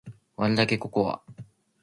割るだけココア